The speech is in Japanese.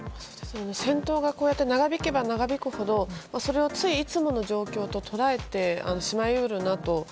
戦闘が長引けば長引くほどそれはつい、いつもの状況と捉えてしまい得るなと。